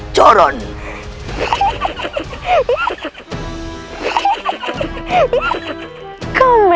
jangan ter prize